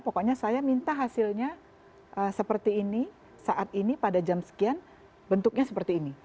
pokoknya saya minta hasilnya seperti ini saat ini pada jam sekian bentuknya seperti ini